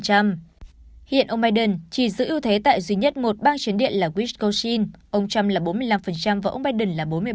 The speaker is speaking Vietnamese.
hiện ông biden chỉ giữ ưu thế tại duy nhất một bang chiến địa là wiscochin ông trump là bốn mươi năm và ông biden là bốn mươi bảy